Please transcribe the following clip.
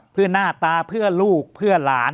เพื่อหน้าตาเพื่อลูกเพื่อหลาน